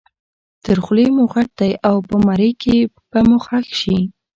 تر خولې مو غټ دی او په مرۍ کې به مو ښخ شي.